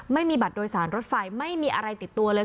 ไม่มีบัตรโดยสารรถไฟไม่มีอะไรติดตัวเลย